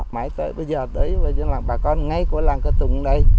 mãi tới bây giờ tới dân làng bà con ngay của làng cơ tùng đây